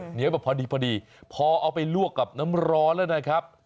เหนียวแบบพอดีพอเอาไปลวกกับน้ำร้อนแล้วนะครับ